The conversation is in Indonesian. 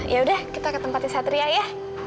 yaudah kita ke tempatnya satria ya